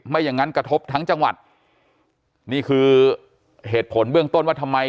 อย่างงั้นกระทบทั้งจังหวัดนี่คือเหตุผลเบื้องต้นว่าทำไม